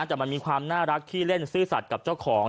แต่มันมีความน่ารักขี้เล่นซื่อสัตว์กับเจ้าของ